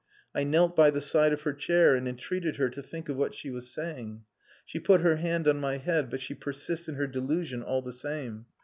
I knelt by the side of her chair and entreated her to think of what she was saying! She put her hand on my head, but she persists in her delusion all the same.